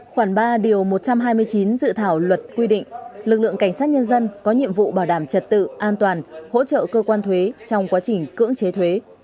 khoảng ba điều một trăm hai mươi chín dự thảo luật quy định lực lượng cảnh sát nhân dân có nhiệm vụ bảo đảm trật tự an toàn hỗ trợ cơ quan thuế trong quá trình cưỡng chế thuế